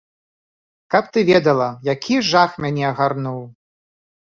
Каб ты ведала, які жах мяне агарнуў!